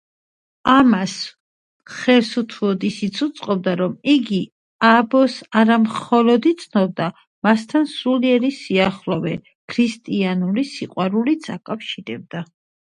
მეორე წიგნი კი სრულდება დიდი სამამულო ომით.